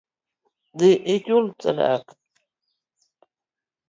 Dhii ichul sadaka